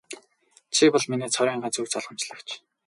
Чи бол миний цорын ганц өв залгамжлагч.